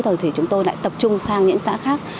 thời thì chúng tôi lại tập trung sang những xã khác